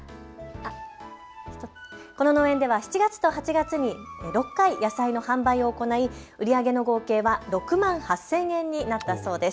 この農園では７月と８月に６回野菜の販売を行い売り上げの合計は６万８０００円になったそうです。